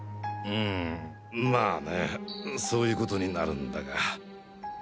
んまあねそういうことになるんだが。